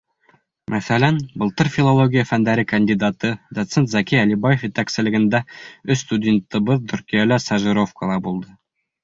Мәҫәлән, былтыр филология фәндәре кандидаты, доцент Зәки Әлибаев етәкселегендә өс студентыбыҙ Төркиәлә стажировкала булды.